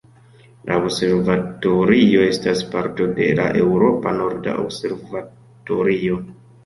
La Observatorio estas parto de la Eŭropa norda observatorio.